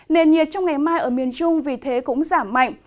nền nhiệt trong ngày mai ở miền trung vì thế cũng giảm mạnh